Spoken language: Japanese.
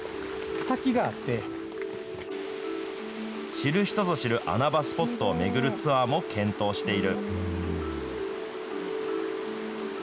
知る人ぞ知る穴場スポットを巡るツアーも検討している。